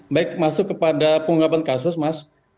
baik masuk kepada pengungkapan kasus mas